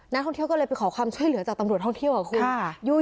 นักท่องเที่ยวก็เลยไปขอความช่วยเหลือจากตำรวจท่องเที่ยวอ่ะคุณ